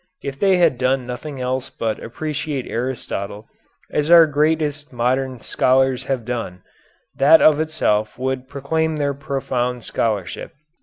If they had done nothing else but appreciate Aristotle as our greatest modern scholars have done, that of itself would proclaim their profound scholarship.